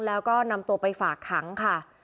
แล้วก็นำตัวไปฝากขังค่ะ